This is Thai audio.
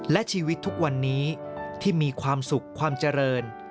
และชีวิตทุกวันนี้ที่มีความสุขความเจริญ